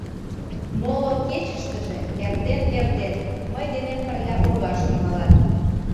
Моло кечыштыже эрден-эрден мый денем пырля ургаш тӱҥалат.